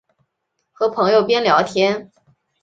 和朋友边聊天